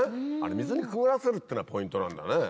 水にくぐらせるってのがポイントなんだね。